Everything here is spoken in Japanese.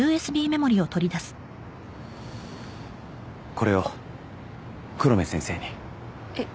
これを黒目先生にえっ？